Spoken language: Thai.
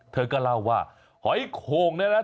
เธอก็เล่าว่าหอยโข่งเนี่ยนะ